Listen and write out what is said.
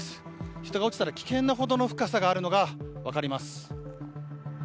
人が落ちたら危険なほどの深さがあるのが分かります。